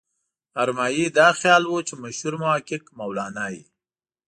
ارمایي دا خیال و چې مشهور محقق مولانا وي.